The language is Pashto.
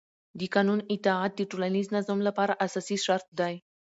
د قانون اطاعت د ټولنیز نظم لپاره اساسي شرط دی